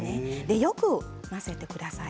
よく混ぜてください。